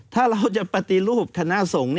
ถ้าเราจะปฏิรูปคณะสงฆ์